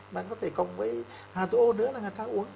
mà có thể cộng với hà tu ô nữa là người ta uống